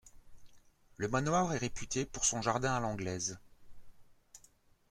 Le manoir est réputé pour son Jardin à l'anglaise.